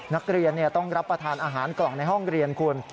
นักเรียนต้องรับประทานอาหารกล่องในห้องเรียนคุณ